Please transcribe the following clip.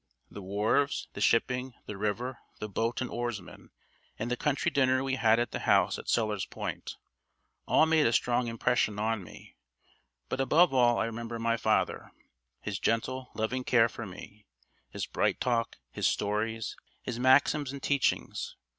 The wharves, the shipping, the river, the boat and oarsmen, and the country dinner we had at the house at Sellers Point, all made a strong impression on me, but above all I remember my father; his gentle, loving care for me, his bright talk, his stories, his maxims and teachings.